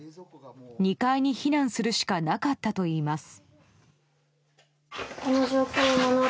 ２階に避難するしかなかったといいます。